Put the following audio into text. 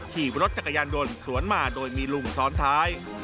ขี่รถจักรยานยนต์สวนมาโดยมีลุงซ้อนท้าย